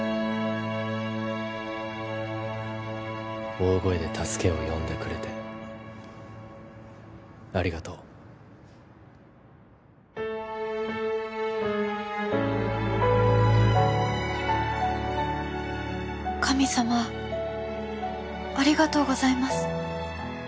大声で助けを呼んでくれてありがとう神様ありがとうございます